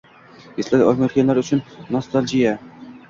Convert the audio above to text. Eslay olmayotganlar uchun Nostalgia!